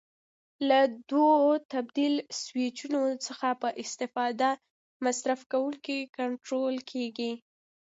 له دوو تبدیل سویچونو څخه په استفاده مصرف کوونکی کنټرول کېږي.